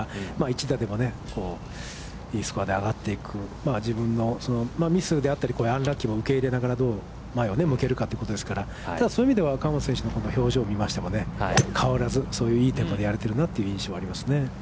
一打でもいいスコアで上がっていく、自分のミスであったり、アンラッキーをどう前を向けるかということですから、ただ、そういう意味では河本選手のこの表情を見ても変わらずそういういいところまでやれてるなという印象がありますね。